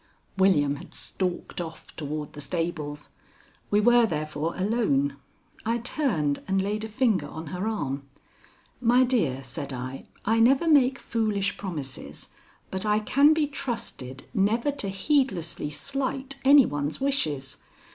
William had stalked off toward the stables. We were therefore alone. I turned and laid a finger on her arm. "My dear," said I, "I never make foolish promises, but I can be trusted never to heedlessly slight any one's wishes.